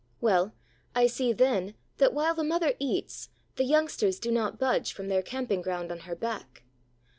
Well, I see then that while the mother eats, the youngsters do not budge from their camping ground on her back.